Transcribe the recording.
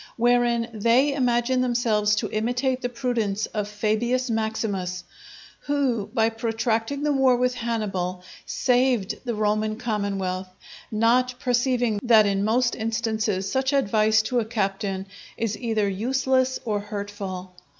Wherein they imagine themselves to imitate the prudence of Fabius Maximus, who by protracting the war with Hannibal, saved the Roman commonwealth; not perceiving that in most instances such advice to a captain is either useless or hurtful.